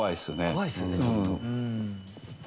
怖いですよねちょっと。